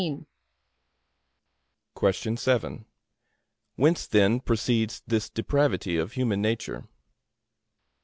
A.